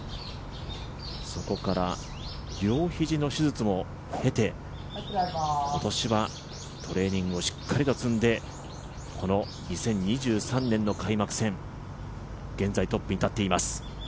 そこから両肘の手術も経て今年はトレーニングをしっかりと積んでこの２０２３年の開幕戦、現在トップに立っています。